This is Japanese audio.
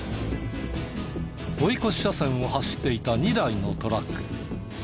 追い越し車線を走っていた２台のトラック。